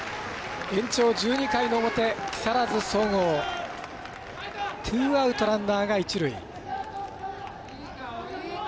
延長１２回の表木更津総合、ツーアウトランナーが一塁。